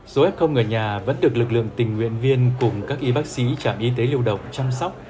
số f ở nhà vẫn được lực lượng tình nguyện viên cùng các y bác sĩ trạm y tế lưu động chăm sóc